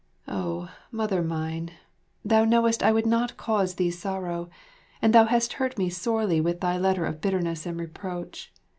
Oh, Mother mine, thou knowest I would not cause thee sorrow, and thou hast hurt me sorely with thy letter of bitterness and reproach.